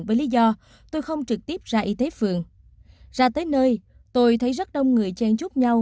với lý do tôi không trực tiếp ra y tế phường ra tới nơi tôi thấy rất đông người chen chúc nhau